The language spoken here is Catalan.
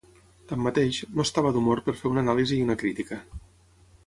Tanmateix, no estava d'humor per fer una anàlisi i una crítica.